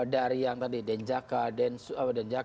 dari yang tadi den zaka